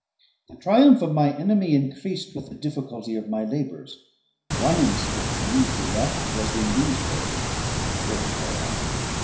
The triumph of my enemy increased with the difficulty of my labours. One inscription that he left was in these words: "Prepare!